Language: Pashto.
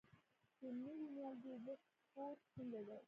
د نوي نیالګي اوبه خور څنګه دی؟